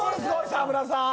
沢村さん。